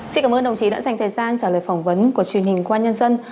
xin cảm ơn đồng chí đã dành thời gian trả lời phỏng vấn của truyền hình công an nhân dân